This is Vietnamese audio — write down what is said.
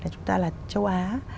chúng ta là châu á